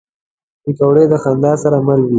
پکورې د خندا سره مل وي